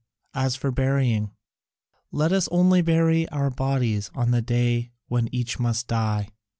As for burying, let us only bury our bodies on the day when each must die."